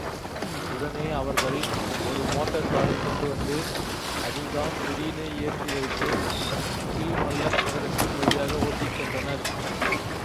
உடனே அவர்கள் ஒரு மோட்டார் காரைக் கொண்டுவந்து அதில்தான்பிரீனை ஏற்று வைத்து கில்மல்லக் நகரத்தின் வழியாக ஓட்டிச் சென்றனர்.